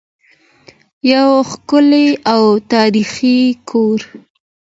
یو ښکلی او تاریخي کور.